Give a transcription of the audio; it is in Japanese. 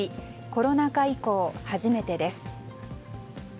コロナ禍以降初めてです。